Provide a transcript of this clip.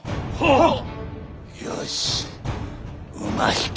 はっ！